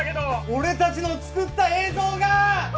俺達の作った映像が！